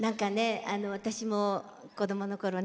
私も子どものころ